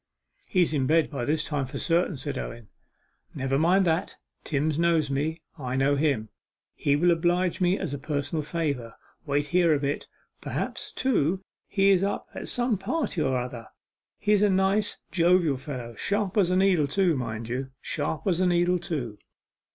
'He's in bed by this time for certain,' said Owen. 'Never mind that Timms knows me, I know him. He'll oblige me as a personal favour. Wait here a bit. Perhaps, too, he's up at some party or another he's a nice, jovial fellow, sharp as a needle, too; mind you, sharp as a needle, too.